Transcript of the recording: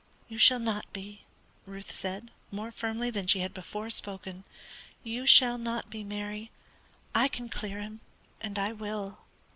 "You shall not be," Ruth said, more firmly than she had before spoken. "You shall not be, Mary. I can clear him, and I will."